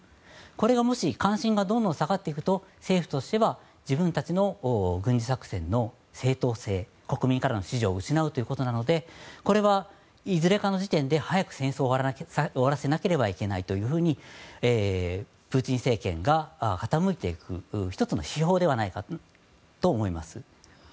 これがもし関心がどんどん下がっていくと政府としては自分たちの軍事作戦の正当性国民からの支持を失うということなのでこれは、いずれかの時点で早く戦争を終わらせなければいけないというふうにプーチン政権が傾いていく１つの指標だと思います。